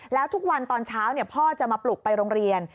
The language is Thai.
แล้วทุกวันตอนเช้าพ่อจะมาปลุกไปโรงเรียน